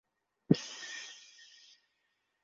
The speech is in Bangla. কেমনে ছাড়ি আমি?